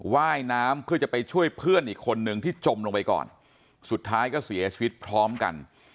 ว่ายน้ำเพื่อจะไปช่วยเพื่อนอีกคนนึงที่จมลงไปก่อนสุดท้ายก็เสียชีวิตพร้อมกัน